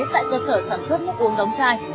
tại cơ sở sản xuất nước uống đóng chai